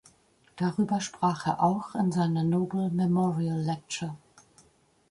Darüber sprach er auch in seiner "Nobel Memorial Lecture".